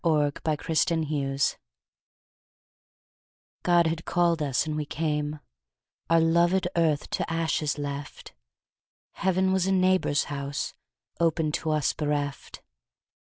THE BLUE FLAG IN THE BOG God had called us, and we came; Our loved Earth to ashes left; Heaven was a neighbor's house, Open to us, bereft.